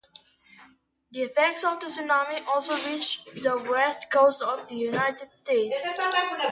The effects of the tsunami also reached the West Coast of the United States.